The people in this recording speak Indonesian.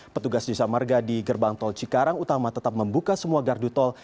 petugas jasa marga di gerbang tol cikarang utama tetap membuka semua gardu tol